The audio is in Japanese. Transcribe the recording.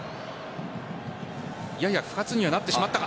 やや不発にはなってしまったか。